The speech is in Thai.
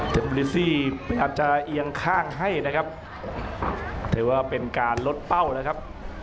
ชมบุรีอาจจะเอียงข้างให้นะครับถือว่าเป็นการลดเป้าแล้วครับ